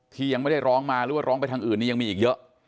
ที่ยังไม่ได้ร้องมาหรือว่าร้องไปทางอื่นนี้ยังมีอีกเยอะ